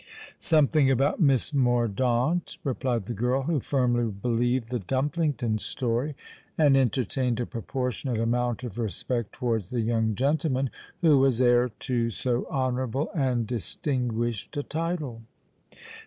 "Something about Miss Mordaunt," replied the girl, who firmly believed the Dumplington story and entertained a proportionate amount of respect towards the young gentleman who was heir to so honourable and distinguished a title.